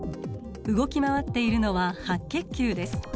動き回っているのは白血球です。